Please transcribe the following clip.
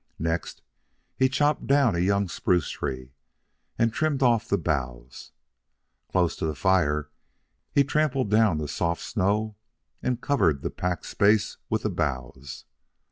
Next, he chopped down a young spruce tree and trimmed off the boughs. Close to the fire he trampled down the soft snow and covered the packed space with the boughs.